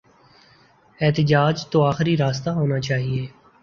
احتجاج تو آخری راستہ ہونا چاہیے۔